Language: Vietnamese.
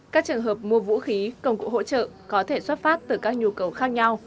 các trường hợp mua vũ khí công cụ hỗ trợ có thể xuất phát từ các nhu cầu khác nhau